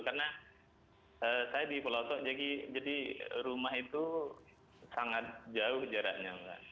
karena saya di pulau oto jadi rumah itu sangat jauh jaraknya mbak